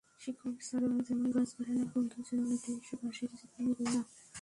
শিকড় ছাড়া যেমন গাছ বাড়ে না, বন্ধু ছাড়াও এদেশবাসীর জীবন এগোয় না।